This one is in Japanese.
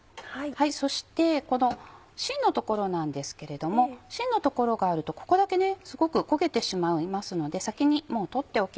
そしてこのしんの所なんですけれどもしんの所があるとここだけすごく焦げてしまいますので先にもう取っておきます。